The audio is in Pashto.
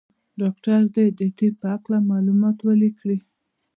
ډاکټر دي د طب په هکله معلومات ولیکي.